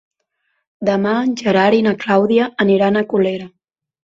Demà en Gerard i na Clàudia aniran a Colera.